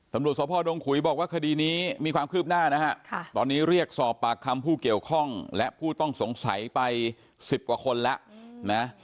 ตำรวจสพดงขุยบอกว่าคดีนี้มีความคืบหน้านะฮะตอนนี้เรียกสอบปากคำผู้เกี่ยวข้องและผู้ต้องสงสัยไป๑๐กว่าคนแล้วนะ